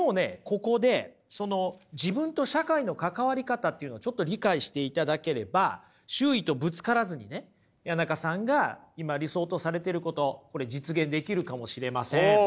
ここでその自分と社会の関わり方っていうのをちょっと理解していただければ周囲とぶつからずにね谷中さんが今理想とされていることこれ実現できるかもしれません。